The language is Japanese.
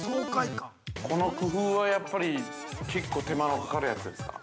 ◆この工夫はやっぱり結構手間のかかるやつですか。